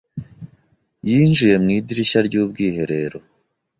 yinjiye mu idirishya ry'ubwiherero.